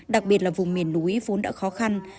đặc biệt là vùng miền núi vốn đã khó khăn